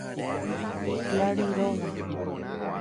Clari róga.